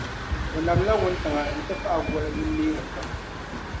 O namla wuntaŋa n-ti pahi goli din neeri pam.